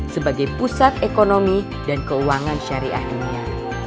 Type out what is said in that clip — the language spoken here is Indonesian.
sebagai pusat ekonomi dan keuangan syariah dunia